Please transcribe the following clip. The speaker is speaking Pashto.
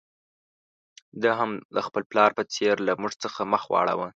ده هم د خپل پلار په څېر له موږ څخه مخ واړاوه.